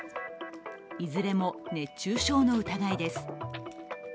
いずれも熱中症の疑いです。